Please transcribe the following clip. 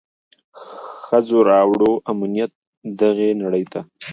ښځو راووړ امنيت دغي نړۍ ته.